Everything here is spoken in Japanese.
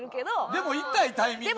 でも痛いタイミングでしょ？